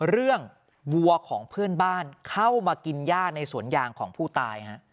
วัวของเพื่อนบ้านเข้ามากินย่าในสวนยางของผู้ตาย